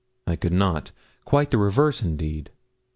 I could not quite the reverse, indeed.